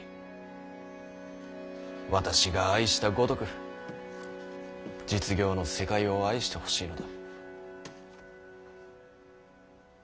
私が愛したごとく実業の世界を愛してほしいのだ。